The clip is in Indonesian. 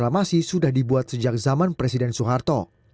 sebab rencana reklamasi sudah dibuat sejak zaman presiden soeharto